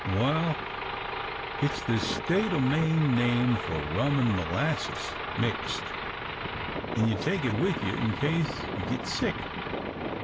"Wal it's the State o' Maine name for rum an' molasses mixed, an' you take it with you in case you git sick.